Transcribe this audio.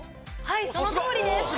はいそのとおりです。